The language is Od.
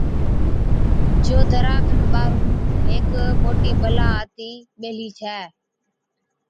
جو دَرا کن ٻاهرُون هيڪ موٽِي بَلا آتِي ٻيهلِي ڇَي۔